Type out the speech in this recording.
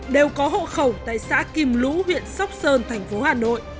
đều có hộ khẩu tại xã kim lũ huyện sóc sơn thành phố hà nội